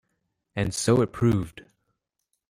And so it proved.